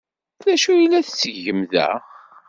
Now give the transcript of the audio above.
D acu ay la tettgem da?